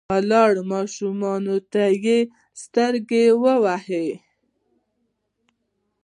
ولاړو ماشومانو ته يې سترګه ووهله.